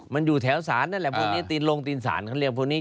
มันอยู่แถวสารนั่นแหละพวกนี้ตีนลงตีนศาลเขาเรียกพวกนี้